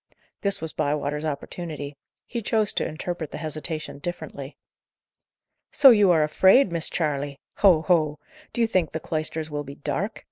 This was Bywater's opportunity; he chose to interpret the hesitation differently. "So you are afraid, Miss Charley! Ho! ho! Do you think the cloisters will be dark?